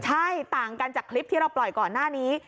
ใช่ต่างกันจากคลิปที่เราปล่อยก่อนหน้านี้